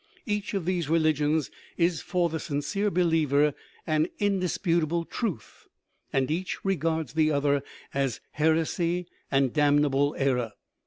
Each of these religions is for the sin cere believer an indisputable truth, and each regards the other as heresy and damnable error.